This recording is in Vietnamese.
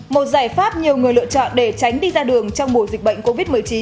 một giải pháp nhiều người lựa chọn để tránh đi ra đường trong mùa dịch bệnh covid một mươi chín